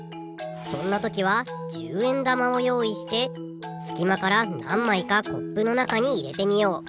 そんなときは１０円玉をよういしてすきまからなんまいかコップのなかにいれてみよう。